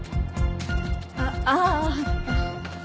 あっあぁ。